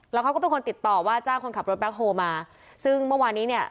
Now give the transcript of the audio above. แล้วเขาก็เป็นคนติดต่อว่าจ้างคนขับรถแบ็คโฮมาซึ่งเมื่อวานนี้เนี่ย